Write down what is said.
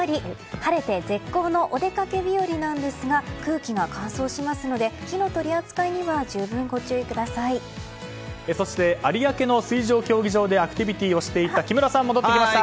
晴れて絶好のお出かけ日和なんですが空気が乾燥しますので火の取り扱いにはそして、有明の水上競技場でアクティビティーをしていた木村さんが戻ってきました。